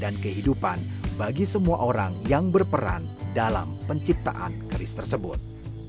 dan kehidupan bagi semua orang yang berperan dalam penciptaan keris tersebut